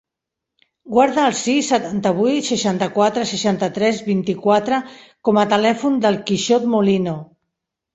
Guarda el sis, setanta-vuit, seixanta-quatre, seixanta-tres, vint-i-quatre com a telèfon del Quixot Molino.